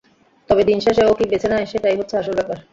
তবে দিনশেষে ও কি বেছে নেয় সেটাই হচ্ছে আসল ব্যাপার।